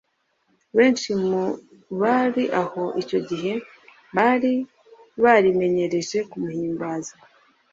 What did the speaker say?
Benshi mu bari aho icyo gihe bari barimenyereje kumuhimbaza